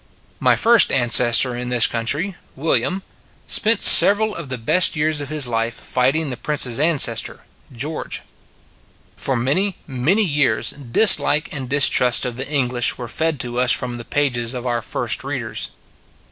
My first ancestor in this country, William, spent several of the best years of his life fighting the Prince s ancestor, George. For many, many years dislike and dis trust of the English were fed to us from the pages of our first readers.